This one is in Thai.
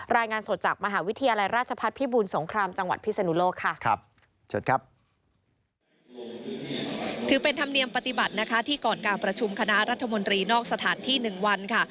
รายงานสดจากมหาวิทยาลัยราชพัฒน์พิบูรสงครามจังหวัดพิศนุโลกค่ะ